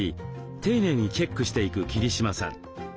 丁寧にチェックしていく桐島さん。